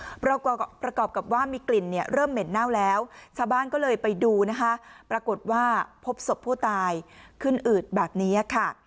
ประกอบกับว่ามีกลิ่นเนี่ยเริ่มเหม็นเน่าแล้วชาวบ้านก็เลยไปดูนะคะปรากฏว่าพบศพผู้ตายขึ้นอืดแบบนี้ค่ะ